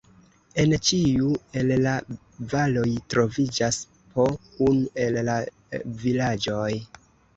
En ĉiu el la valoj troviĝas po unu el la vilaĝoj.